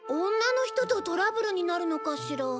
女の人とトラブルになるのかしら？